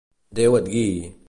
Déu et guiï.